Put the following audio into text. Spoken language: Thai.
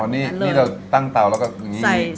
นี่เราตั้งเตาแล้วก็อย่างนี้